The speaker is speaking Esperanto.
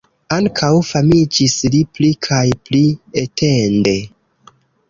Ankaŭ famiĝis li pli kaj pli etende.